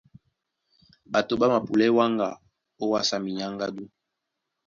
Ɓato ɓá mapulá wáŋga ówásá minyáŋgádú.